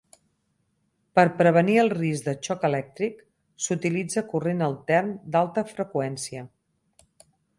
Per prevenir el risc de xoc elèctric, s'utilitza corrent altern d'alta freqüència.